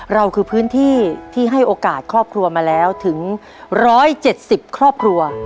เราคือพื้นที่ที่ให้โอกาสครอบครัวมาแล้วถึง๑๗๐ครอบครัว